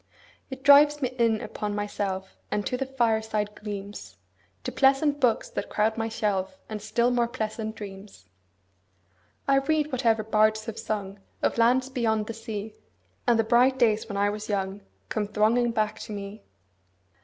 It drives me in upon myself 5 And to the fireside gleams, To pleasant books that crowd my shelf, And still more pleasant dreams. I read whatever bards have sung Of lands beyond the sea, 10 And the bright days when I was young Come thronging back to me.